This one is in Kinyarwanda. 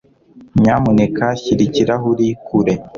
Nyamuneka shyira ibirahuri kure.